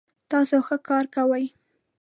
تاسو ښه کار کوئ